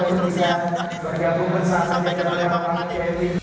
sampai kedua duanya panggung nanti